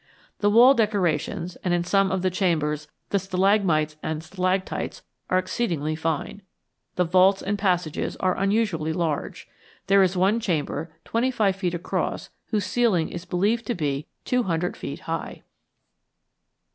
The wall decorations, and, in some of the chambers, the stalagmites and stalactites, are exceedingly fine. The vaults and passages are unusually large. There is one chamber twenty five feet across whose ceiling is believed to be two hundred feet high.